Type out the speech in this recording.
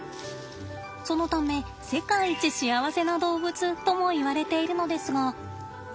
そのため「世界一幸せな動物」ともいわれているのですが。